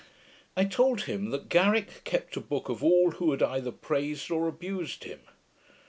I told him, that Garrick kept a book of all who had either praised or abused him.